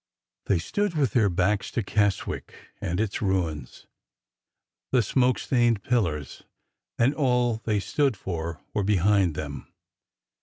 They stood with their backs to Keswick and its ruins. The smoke stained pillars and all they stood for were be hind them.